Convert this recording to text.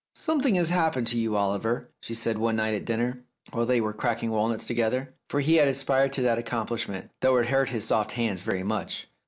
"Something has happened to you, Oliver," she said one night at dinner, while they were cracking walnuts together, for he had aspired to that accom plishment, though it hurt his soft hands very much.